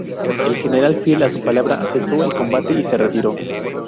El general, fiel a su palabra cesó el combate y se retiró.